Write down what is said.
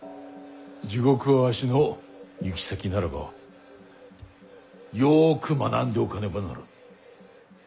地獄はわしの行き先なればよく学んでおかねばならぬ。